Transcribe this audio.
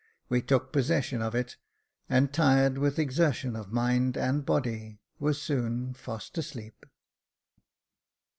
We took possession of it, and tired with exertion of mind and body, were soon fast asleep.